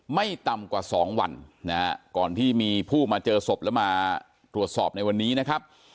ไม่ต่ำกว่าสองวันนะฮะก่อนที่มีผู้มาเจอศพแล้วมาตรวจสอบในวันนี้นะครับ